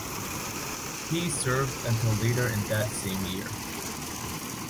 He served until later in that same year.